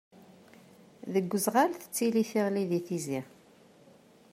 Deg uzɣal tettili tiɣli di Tizi.